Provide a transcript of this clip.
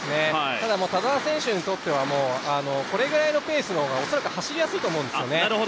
ただ田澤選手にとってはこれぐらいのペースの方が恐らく走りやすいと思うんですよね。